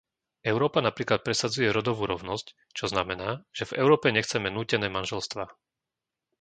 Európa napríklad presadzuje rodovú rovnosť, čo znamená, že v Európe nechceme nútené manželstvá.